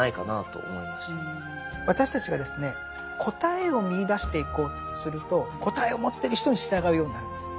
私たちがですね答えを見いだしていこうとすると答えを持ってる人に従うようになるんです。